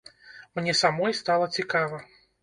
Мне самой стала цікава.